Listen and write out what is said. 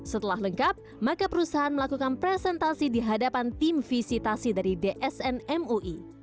setelah lengkap maka perusahaan melakukan presentasi di hadapan tim visitasi dari dsn mui